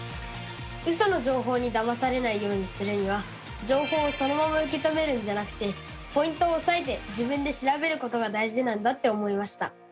ウソの情報にだまされないようにするには情報をそのまま受け止めるんじゃなくてポイントをおさえて自分で調べることが大事なんだって思いました！